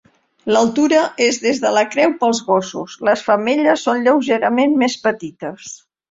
L'altura és des de la creu pels gossos, les femelles són lleugerament més petites.